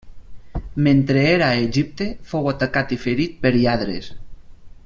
Mentre era a Egipte fou atacat i ferit per lladres.